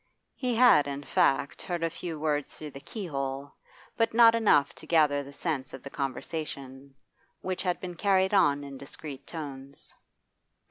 He had, in fact, heard a few words through the keyhole, but not enough to gather the sense of the conversation, which had been carried on in discreet tones.